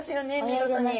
見事に。